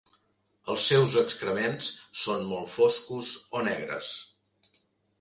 Els seus excrements són molt foscos o negres.